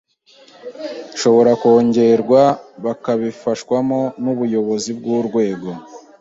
ishobora kongerwa bakabifashwamo n’ubuyobozi bw’urwego,